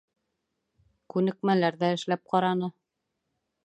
Күнекмәләр ҙә эшләп ҡараны.